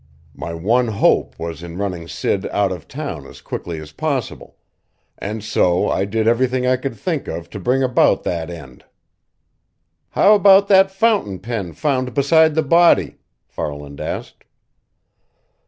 My one hope was in running Sid out of town as quickly as possible, and so I did everything I could think of to bring about that end." "How about that fountain pen found beside the body?" Farland asked.